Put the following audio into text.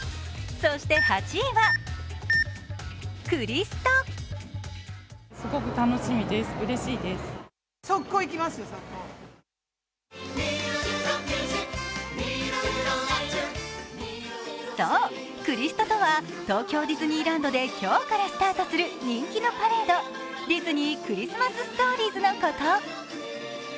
そう、クリストとは東京ディズニーランドで今日からスタートする人気のパレード、ディズニー・クリスマス・ストーリーズのこと。